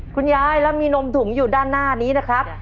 คุณยายแล้วมีนมถุงอยู่ด้านหน้านี้นะครับ